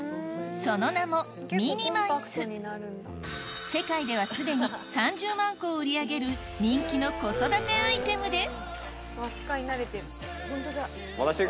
その名も世界ではすでに３０万個を売り上げる人気の子育てアイテムです